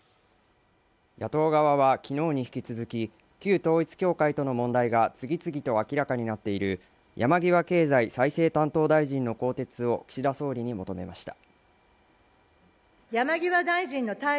野党側は昨日に引き続き旧統一教会との問題が次々と明らかになっている山際経済再生担当大臣の更迭を岸田総理に求めました